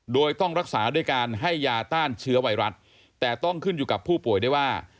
โดยต้องรักษาด้วยการให้ยาต้านเชื้อไวรัสแต่ต้องขึ้นอยู่กับผู้ป่วยได้ว่า